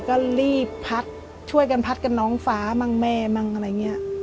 ก็รีบพัดช่วยกันพัดกับน้องฟ้ามั่งแม่มั่งอะไรอย่างนี้